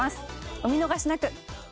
お見逃しなく！